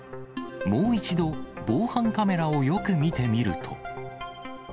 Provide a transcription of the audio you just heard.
もう一度、防犯カメラをよく見てみると。